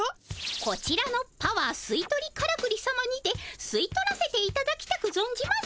こちらのパワーすいとりからくりさまにてすいとらせていただきたくぞんじます。